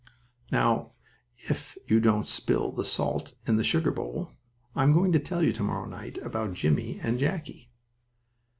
Now, if you don't spill the salt in the sugar bowl, I'm going to tell you to morrow night about Jimmie and Jackie.